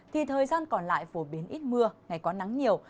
thì thời gian còn lại phổ biến ít mưa ngày có nắng nhiều